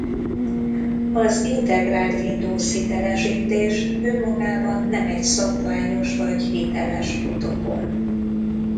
Az Integrált Windows Hitelesítés önmagában nem egy szabványos vagy hiteles protokoll.